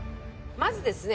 「まずですね